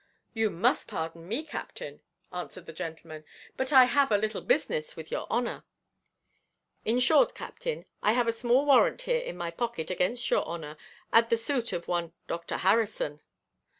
"You must pardon me, captain," answered the gentleman; "but I have a little business with your honour In short, captain, I have a small warrant here in my pocket against your honour, at the suit of one Dr Harrison."